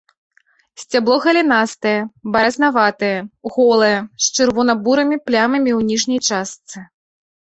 Сцябло галінастае, баразнаватае, голае, з чырвона-бурымі плямамі ў ніжняй частцы.